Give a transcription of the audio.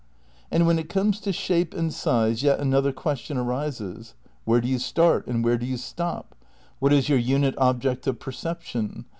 And when it comes to shape and size yet another question arises : Where do you start and where do you stop? What is your unit object of perception?